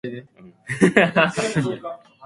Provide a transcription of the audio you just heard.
It is part of the Birmingham metropolitan area.